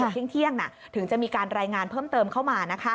เที่ยงถึงจะมีการรายงานเพิ่มเติมเข้ามา